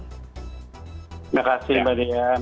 terima kasih mbak dian